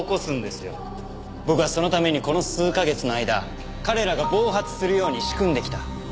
僕はそのためにこの数カ月の間彼らが暴発するように仕組んできた。